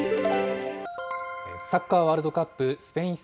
サッカーワールドカップ、スペイン戦。